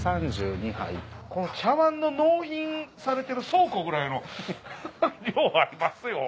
茶わんの納品されてる倉庫ぐらいの量ありますよ。